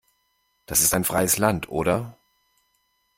Das ist ein freies Land, oder?